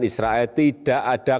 israel tidak ada